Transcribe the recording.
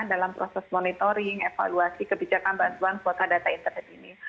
dalam proses monitoring evaluasi kebijakan bantuan kuota data internet ini